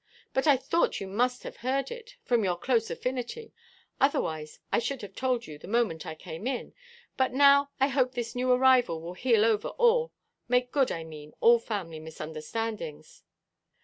But I thought you must have heard it, from your close affinity, otherwise I should have told you the moment I came in; but now I hope this new arrival will heal over all—make good, I mean, all family misunderstandings."